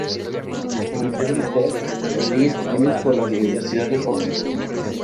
Se convirtió en Doctor en Leyes Civiles por la Universidad de Oxford.